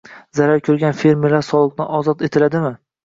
Zarar ko‘rgan fermerlar soliqdan ozod etiladimi?ng